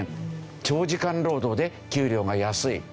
長時間労働で給料が安い。